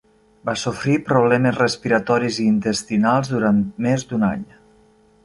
Va sofrir problemes respiratoris i intestinals durant més d'un any.